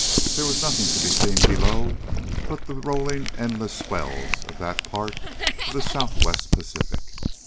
There was nothing to be seen below but the rolling endless swells of that part of the Southwest Pacific.